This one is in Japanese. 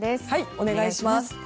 お願いします。